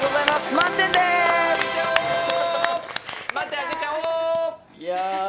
満点あげちゃおー！